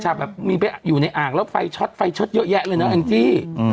จัดแบบมีแบบอยู่ในอ่างแล้วไฟช็อตเยอะแยะเลยนะอันที่